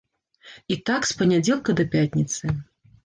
І так з панядзелка да пятніцы.